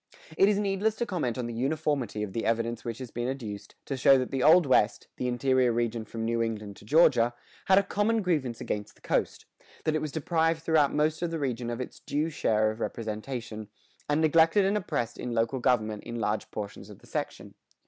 [120:3] It is needless to comment on the uniformity of the evidence which has been adduced, to show that the Old West, the interior region from New England to Georgia, had a common grievance against the coast; that it was deprived throughout most of the region of its due share of representation, and neglected and oppressed in local government in large portions of the section.